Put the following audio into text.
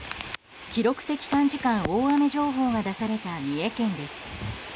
記録的短時間大雨情報が出された三重県です。